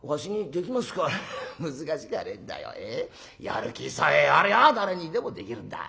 やる気さえありゃ誰にでもできるんだ。